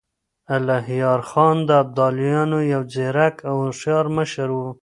الهيار خان د ابدالیانو يو ځيرک او هوښیار مشر و.